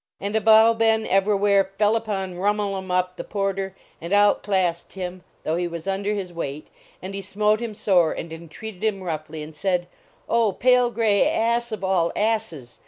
And Abou Ben Evrawhair fell upon Rhum ul em Uhp the Porter and out classed him, though he was under his weight; and he smote him sore and entreated him roughly, and said : "Oh, pale gray ass of all asses!